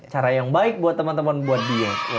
cara yang baik buat teman teman buat dia